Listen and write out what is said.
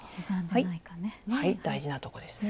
はい大事なとこです。